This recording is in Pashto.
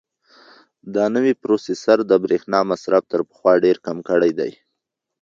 دا نوی پروسیسر د برېښنا مصرف تر پخوا ډېر کم کړی دی.